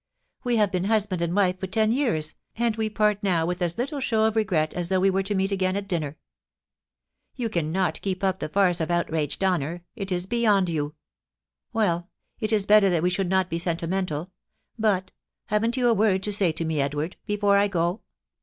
We have been husband and wife for ten years, and we part now with as little show of regret as though we were to meet again at dinner. You cannot keep up the farce of outraged honour ; it is beyond you. Well ; it is better that we should not be sentimental — but, haven't you a word to say to me, Edward, before I go